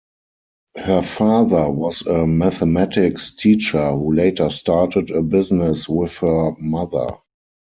Her father was a mathematics teacher who later started a business with her mother.